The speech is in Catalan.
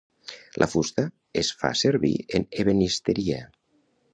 La fusta es fa servir en ebenisteria.